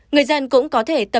người dân cũng có thể tập luyện